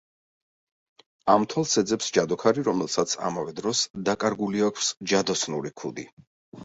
ამ თვალს ეძებს ჯადოქარი, რომელსაც ამავე დროს, დაკარგული აქვს ჯადოსნური ქუდი.